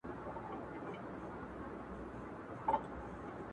له هر کونجه یې جلا کول غوښتنه-